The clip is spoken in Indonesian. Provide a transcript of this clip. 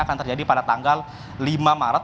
akan terjadi pada tanggal lima maret